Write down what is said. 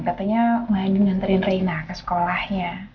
katanya mbak andin nganterin reina ke sekolahnya